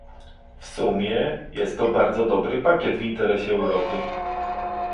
W sumie, jest to bardzo dobry pakiet w interesie Europy